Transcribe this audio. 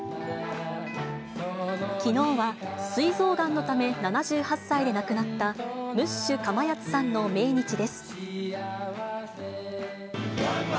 きのうは、すい臓がんのため７８歳で亡くなったムッシュかまやつさんの命日です。